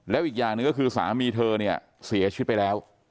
และอีกอย่างนึกคือสามีเธอเสียชีวิตไปแล้ว